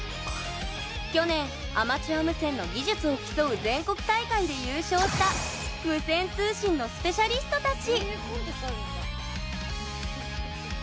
去年、アマチュア無線の技術を競う全国大会で優勝した無線通信のスペシャリストたち。